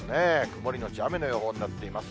曇り後雨の予報になっています。